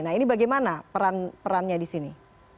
nah ini bagaimana perannya di sini